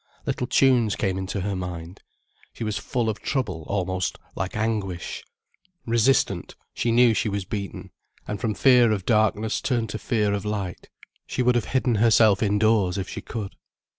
Little tunes came into her mind. She was full of trouble almost like anguish. Resistant, she knew she was beaten, and from fear of darkness turned to fear of light. She would have hidden herself indoors, if she could.